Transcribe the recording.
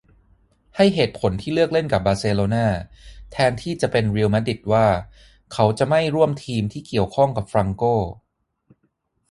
ให้เหตุผลที่เลือกเล่นกับบาร์เซโลนาแทนที่จะเป็นรีลมาดริดว่า เขาจะไม่ร่วมทีมที่เกี่ยวข้องกับฟรังโก